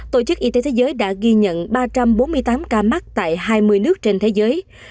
tổ chức y tế thế giới đã ghi nhận ba trăm bốn mươi tám ca mắc tại hai mươi nước trên thế giới